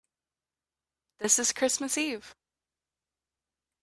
This is Christmas Eve.